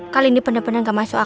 kali ini bener bener gak masuk akal